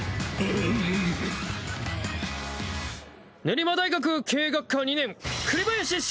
練馬大学経営学科２年栗林駿。